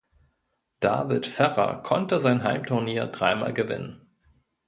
David Ferrer konnte sein Heimturnier dreimal gewinnen.